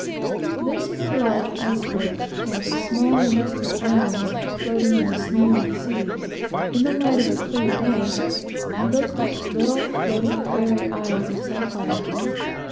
This is the large iceberg; while the small and distant islands, floating on the smooth sea, in the light of a clear day, look like little floating fairy isles of sapphire.